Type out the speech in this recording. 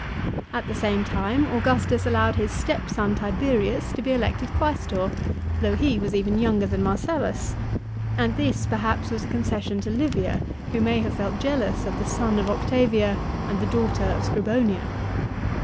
At the same time Augustus allowed his stepson Tiberius to be elected quaestor, though he was even younger than Marcellus; and this perhaps was a concession to Livia, who may have felt jealous of the son of Octavia and the daughter of Scribonia.